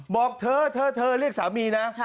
บอกเธอเธอเรียกสามีนะ